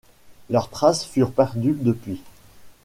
Leurs traces furent perdues depuis.